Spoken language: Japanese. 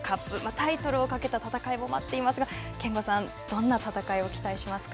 タイトルをかけた戦いも待っていますが、憲剛さん、どんな戦いを期待しますか。